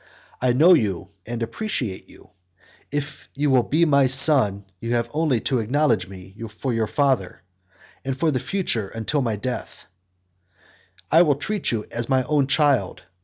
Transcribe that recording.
I know you and appreciate you. If you will be my son, you have only to acknowledge me for your father, and, for the future, until my death, I will treat you as my own child.